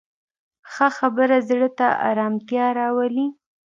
ښه خبره زړه ته ارامتیا راولي